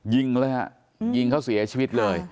ยิงเลยฮะยิงเขาเสียชีวิตเลย